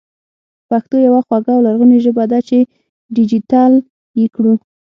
پښتو يوه خواږه او لرغونې ژبه ده چې ډېجېټل يې کړو